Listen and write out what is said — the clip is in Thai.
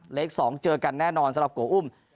เลข๒เจอกันแน่นอนสำหรับโกอุ้ม